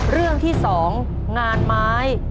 เรื่องที่๒งานไม้